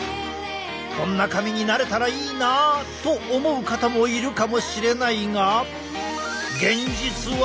こんな髪になれたらいいなと思う方もいるかもしれないが。